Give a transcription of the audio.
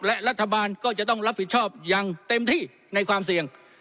และรัฐบาลก็จะต้องรับผิดชอบอย่างเต็มที่ในความเสี่ยง